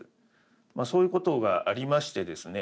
そういうことがありましてですね